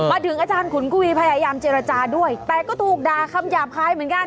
มาถึงอาจารย์ขุนกวีพยายามเจรจาด้วยแต่ก็ถูกด่าคำหยาบคายเหมือนกัน